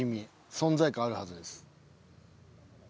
存在感あるはずです。